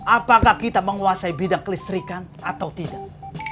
apakah kita menguasai bidang kelistrikan atau tidak